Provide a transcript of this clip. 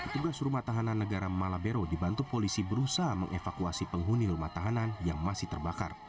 tugas rumah tahanan negara malabero dibantu polisi berusaha mengevakuasi penghuni rumah tahanan yang masih terbakar